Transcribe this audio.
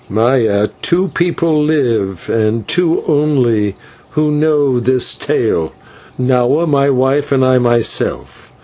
"Maya, two people live, and two alone, who know this tale Nahua my wife, and I myself.